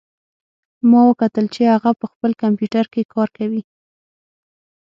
ما وکتل چې هغه په خپل کمپیوټر کې کار کوي